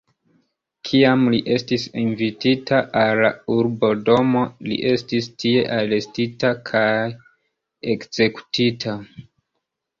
Kiam li estis invitita al la urbodomo, li estis tie arestita kaj ekzekutita.